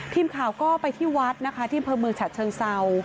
ทีมข่าวก็ไปที่วัดนะคะที่เมืองฉะเชิงเซา